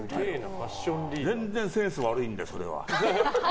全然センス悪いんだよ、それは。